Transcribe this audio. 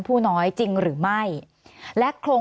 สวัสดีครับทุกคน